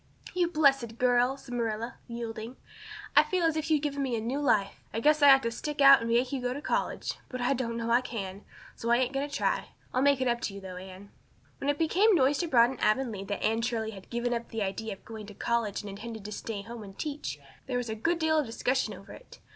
"You blessed girl!" said Marilla, yielding. "I feel as if you'd given me new life. I guess I ought to stick out and make you go to college but I know I can't, so I ain't going to try. I'll make it up to you though, Anne." When it became noised abroad in Avonlea that Anne Shirley had given up the idea of going to college and intended to stay home and teach there was a good deal of discussion over it.